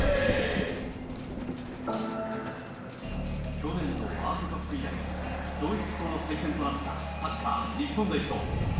去年のワールドカップ以来ドイツとの再戦となったサッカー日本代表。